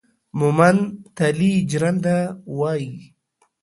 مومند تالي جرنده وايي